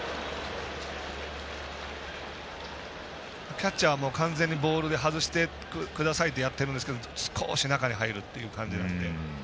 キャッチャーは完全にボールで外してくださいってやってるんですけど少し中に入るっていう感じなので。